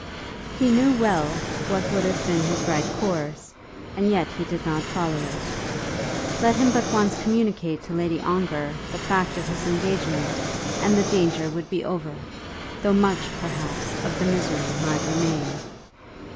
He knew well what would have been his right course, and yet he did not follow it. Let him but once communicate to Lady Ongar the fact of his engagement, and the danger would be over, though much, perhaps, of the misery might remain.